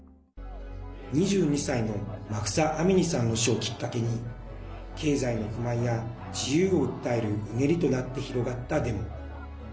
２２歳のマフサ・アミニさんの死をきっかけに経済の不満や自由を訴えるうねりとなって広がったデモ。